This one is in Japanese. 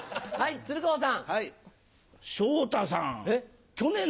鶴光さん。